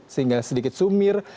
sehingga sedikit sumir